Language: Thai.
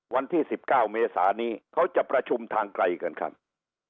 วันที่๑๙เมษานี้เขาจะประชุมทางไกลกันครับ